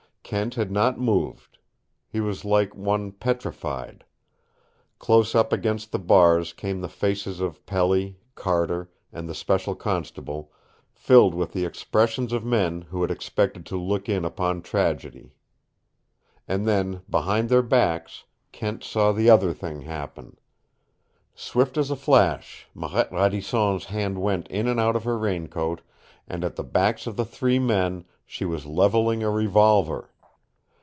Kent had not moved. He was like one petrified. Close up against the bars came the faces of Pelly, Carter, and the special constable, filled with the expressions of men who had expected to look in upon tragedy. And then, behind their backs, Kent saw the other thing happen. Swift as a flash Marette Radisson's hand went in and out of her raincoat, and at the backs of the three men she was leveling a revolver!